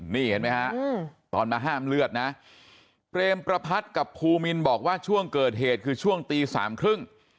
นี่เห็นไหมฮะตอนมาห้ามเลือดนะเปรมประพัทธ์กับภูมินบอกว่าช่วงเกิดเหตุคือช่วงตีสามครึ่ง